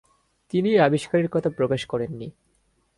তিনি এ আবিষ্কারের কথা প্রকাশ করেননি।